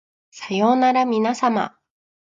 さようならみなさま